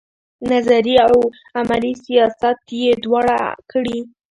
نظري او عملي سیاست یې دواړه کړي.